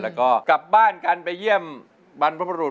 แล้วก็กลับบ้านกันไปเยี่ยมบรรพบรุษ